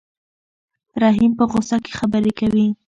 رحیم په غوسه کې خبرې کوي.